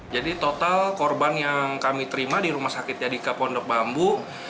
jadi total korban yang kami terima di rumah sakit yadika pondok bambu